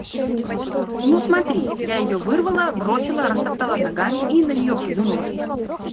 Ну, смотри: я ее вырвала, бросила, растоптала ногами и на нее плюнула.